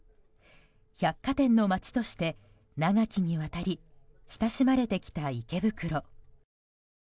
百貨店の街として、長きにわたり親しまれてきた池袋。